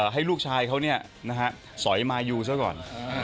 ให้ลูกชายเขาสอยมายูซะก่อน